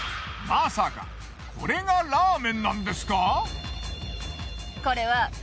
まさかこれがラーメンなんですか？